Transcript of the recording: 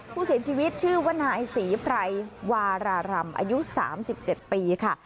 ผู้เสียชีวิตชื่อว่านายศรีไพรวารารำอายุ๓๗ปีค่ะ